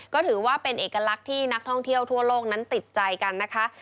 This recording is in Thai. ก็ถือว่าเป็นเอกลักษณ์ที่นักท่องเที่ยวทั่วโลกนั้นติดใจกันนะคะ